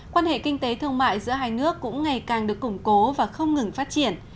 quan hệ kinh tế thương mại giữa hai nước cũng ngày càng được củng cố và không ngừng phát triển